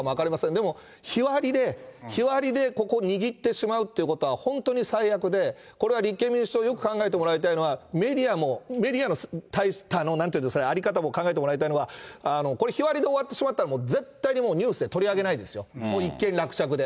でも日割りで、日割りで、ここ握ってしまうってことは、本当に最悪で、これは立憲民主党、よく考えてもらいたいのは、メディアも、メディアのなんて言うんですか、在り方も考えてもらいたいのはこれ、日割りで終わってしまったら、もう絶対にニュースで取り上げないですよ、もう一件落着で。